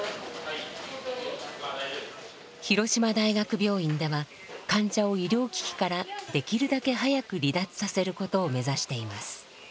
広島大学病院では患者を医療機器からできるだけ早く離脱させることを目指しています。